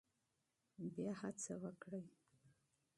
بیا هڅه وکړئ.